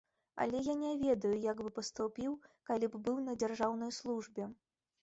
Але я не ведаю, як бы паступіў, калі б быў на дзяржаўнай службе.